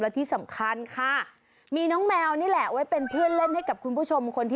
และที่สำคัญค่ะมีน้องแมวนี่แหละไว้เป็นเพื่อนเล่นให้กับคุณผู้ชมคนที่